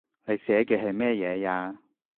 你寫嘅係乜嘢呀